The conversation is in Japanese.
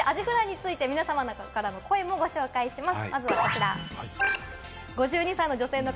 そしてアジフライについて皆様の声もご紹介します。